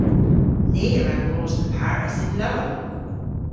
Ni a wra mos dhe Paris yn lowen!